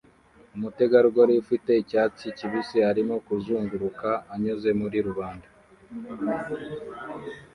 Umutegarugori ufite icyatsi kibisi arimo kuzunguruka anyuze muri rubanda